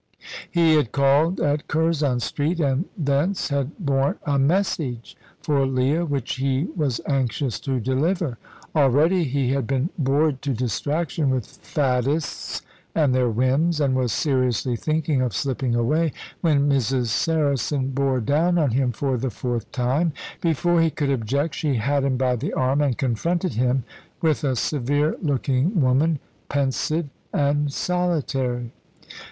He had called at Curzon Street, and thence had borne a message for Leah which he was anxious to deliver. Already he had been bored to distraction with faddists and their whims, and was seriously thinking of slipping away, when Mrs. Saracen bore down on him for the fourth time. Before he could object she had him by the arm, and confronted him with a severe looking woman, pensive and solitary.